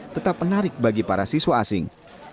tetap menarik bagi para siswa asing